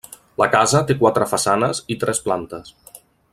La casa té quatre façanes i tres plantes.